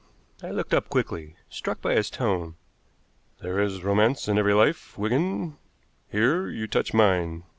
I looked up quickly, struck by his tone. "There is romance in every life, Wigan. Here you touch mine.